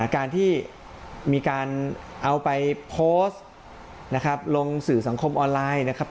การที่มีการเอาไปโพสต์นะครับลงสื่อสังคมออนไลน์นะครับ